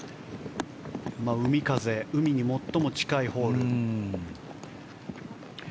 海風、海に最も近いホール。